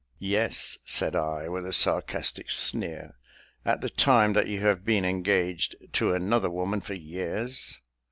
"Yes," said I, with a sarcastic sneer, "at the time that you have been engaged to another woman for years.